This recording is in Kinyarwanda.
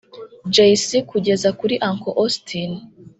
Jay C kugeza kuri Uncle Austin